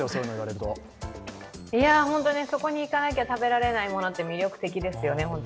そこに行かなきゃ食べられないものって魅力的ですよね。